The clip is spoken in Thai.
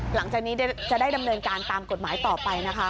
หลังจากนี้จะได้ดำเนินการตามกฎหมายต่อไปนะคะ